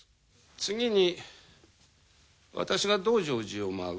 次に私が『道成寺』を舞う。